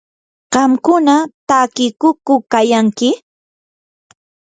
¿qamkuna takiykuqku kayanki?